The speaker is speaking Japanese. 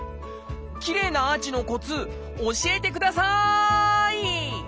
きれいなアーチのコツ教えてください！